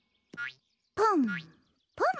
ポンポン。